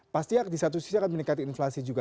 pasti di satu sisi akan meningkatkan inflasi juga